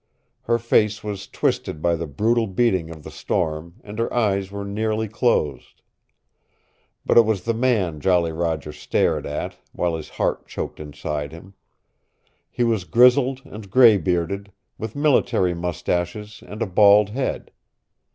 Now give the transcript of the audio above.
Her face was twisted by the brutal beating of the storm, and her eyes were nearly closed. But it was the man Jolly Roger stared at, while his heart choked inside him. He was grizzled and gray bearded, with military mustaches and a bald head.